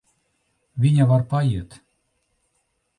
Viņa var paiet.